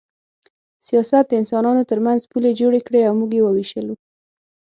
سیاست د انسانانو ترمنځ پولې جوړې کړې او موږ یې ووېشلو